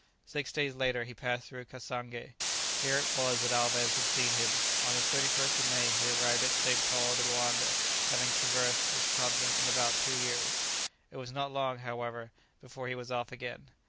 Six days later he passed through Cassangé. Here it was that Alvez had seen him. On the 31st of May he arrived at St. Paul de Loanda, having traversed the continent in about two years. It was not long, however, before he was off again.